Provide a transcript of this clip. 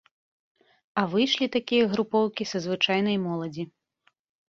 А выйшлі такія групоўкі са звычайнай моладзі.